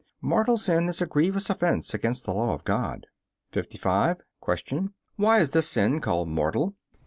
Mortal sin is a grievous offense against the law of God. 55. Q. Why is this sin called mortal?